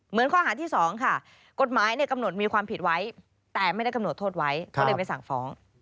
ข้อหาที่๒ค่ะกฎหมายกำหนดมีความผิดไว้แต่ไม่ได้กำหนดโทษไว้ก็เลยไม่สั่งฟ้อง